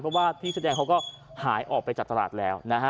เพราะว่าพี่แสดงเขาก็หายออกไปจากตลาดแล้วนะฮะ